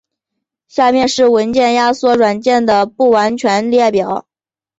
下面是文件压缩软件的不完全列表。